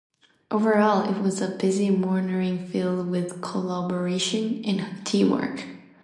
Overall, it was a busy morning filled with collaboration and teamwork.